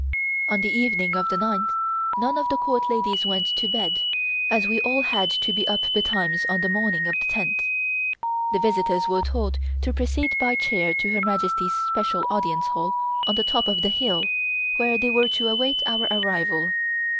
On the evening of the ninth, none of the Court ladies went to bed, as we all had to be up betimes on the morning of the tenth. The visitors were told to proceed by chair to Her Majesty's special Audience Hall on the top of the hill, where they were to await our arrival.